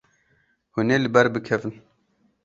Hûn ê li ber bikevin.